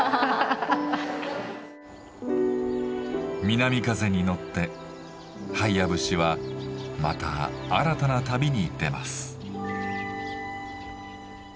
南風に乗って「ハイヤ節」はまた新たな旅に出ます。